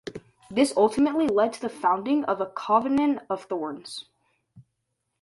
This ultimately led to the founding of A Covenant of Thorns.